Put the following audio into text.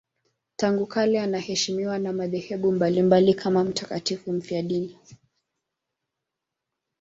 Tangu kale anaheshimiwa na madhehebu mbalimbali kama mtakatifu mfiadini.